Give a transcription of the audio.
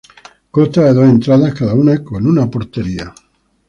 Consta de dos entradas, cada una con una portería.